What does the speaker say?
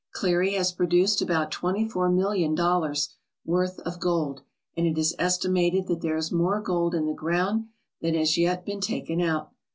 Cleary has produced about twenty four million dollars, worth of gold, and it is estimated that there is more gold in the ground than has yet been taken out.